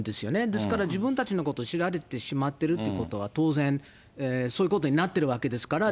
ですから自分たちのこと知られてしまってるということは、当然そういうことになってるわけですから。